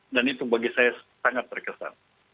dan itu bagi saya sangat berkesan